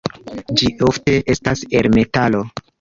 Ĝi ofte estas el metalo.